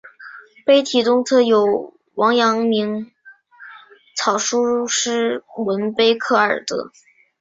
碑体东侧有王阳明草书诗文碑刻二则。